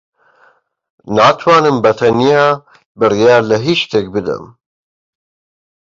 ناتوانم بەتەنیا بڕیار لە ھیچ شتێک بدەم.